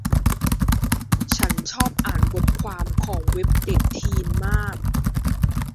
ฉันชอบอ่านบทความของเว็บเด็กทีนมาก